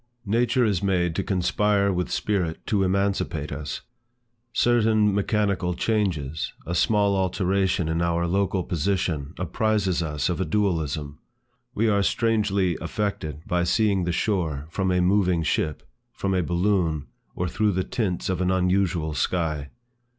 Nature is made to conspire with spirit to emancipate us. Certain mechanical changes, a small alteration in our local position apprizes us of a dualism. We are strangely affected by seeing the shore from a moving ship, from a balloon, or through the tints of an unusual sky.